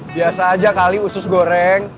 biasa aja kali usus goreng